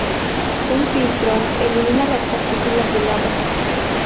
Un filtro, elimina las partículas del agua.